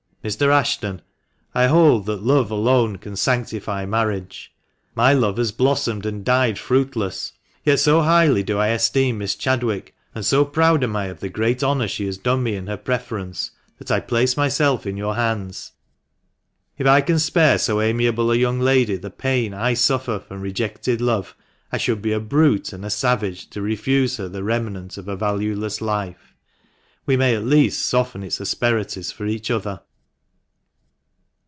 " Mr. Ashton, I hold that love alone can sanctify marriage ; my love has blossomed and died fruitless. Yet so highly do I esteem Miss Chadwick, and so proud am I of the great honour she has done me in her preference, that I place myself in your hands. If I can spare so amiable a young lady the pain I suffer from rejected love, I should be a brute and a savage to refuse her the remnant of a valueless life. We may at least soften its asperities for each other."